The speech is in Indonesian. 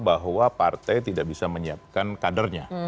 bahwa partai tidak bisa menyiapkan kadernya